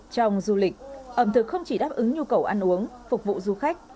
trong du lịch ẩm thực không chỉ đáp ứng nhu cầu ăn uống phục vụ du khách